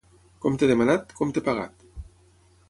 Compte demanat, compte pagat.